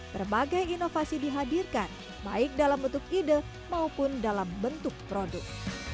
berbagai inovasi dihadirkan baik dalam bentuk ide maupun dalam bentuk produk